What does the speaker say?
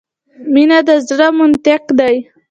مینه د زړه منطق ده .